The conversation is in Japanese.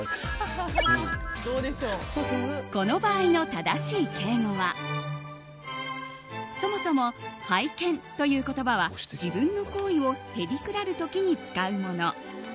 この場合の正しい敬語はそもそも拝見という言葉は自分の行為をへりくだる時に使うもの。